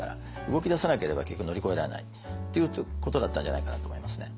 動き出さなければ結局乗り越えられない。っていうことだったんじゃないかなと思いますね。